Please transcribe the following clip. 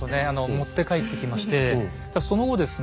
持って帰ってきましてその後ですね